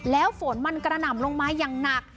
แล้วฝนมันกระหน่ำลงมาอย่างหนัก